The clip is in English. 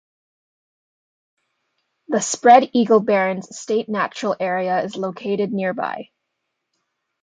The Spread Eagle Barrens State Natural Area is located nearby.